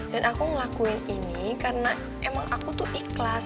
dan aku ngelakuin ini karena emang aku tuh ikhlas